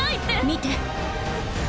見て！！